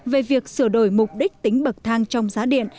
về việc sửa đổi mục đích tính bậc thang trong giá điện